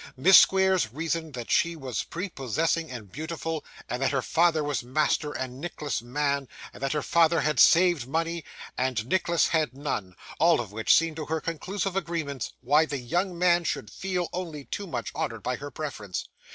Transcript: Miss Squeers reasoned that she was prepossessing and beautiful, and that her father was master, and Nicholas man, and that her father had saved money, and Nicholas had none, all of which seemed to her conclusive arguments why the young man should feel only too much honoured by her preference.